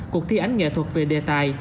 cuộc thi ảnh nghệ thuật về đề tài